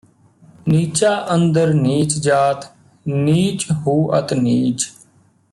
ਨੀਚਾ ਅੰਦਰਿ ਨੀਚ ਜਾਤਿ ਨੀਚ ਹੂ ਅਤਿ ਨੀਚੁ